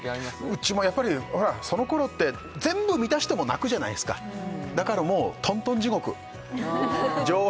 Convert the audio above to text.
うちもやっぱりほらその頃って全部満たしても泣くじゃないですかだからもうトントン地獄ああ